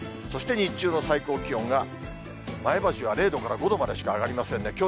そして日中の最高気温が前橋は０度から５度までしか上がりませんね。